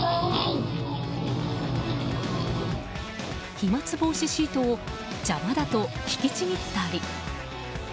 飛沫防止シートを邪魔だと引きちぎったり。